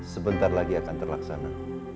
sebentar lagi akan terlaksana